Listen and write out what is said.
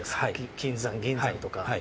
金山、銀山とか。